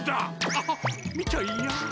あっ見ちゃいや！